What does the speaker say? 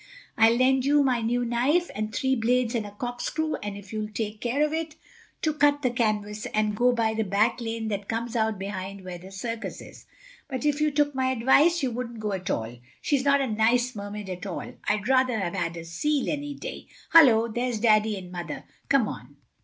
I'll lend you my new knife, with three blades and a corkscrew, if you'll take care of it, to cut the canvas, and go by the back lane that comes out behind where the circus is, but if you took my advice you wouldn't go at all. She's not a nice Mermaid at all. I'd rather have had a seal, any day. Hullo, there's Daddy and Mother. Come on."